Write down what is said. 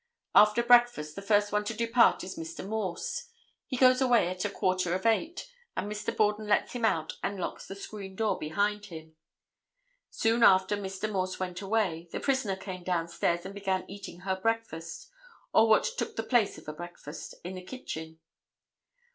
After breakfast the first one to depart is Mr. Morse. He goes away at a quarter of 8, and Mr. Borden lets him out and locks the screen door behind him. Soon after Mr. Morse went away the prisoner came down stairs and began eating her breakfast, or what took the place of a breakfast, in the kitchen.